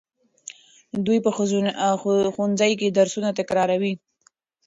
دوی په ښوونځي کې درسونه تکراروي.